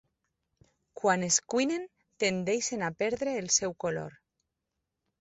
Quan es cuinen, tendeixen a perdre el seu color.